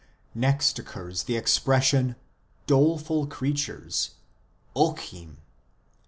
Next occurs the expression " doleful creatures," Ochim.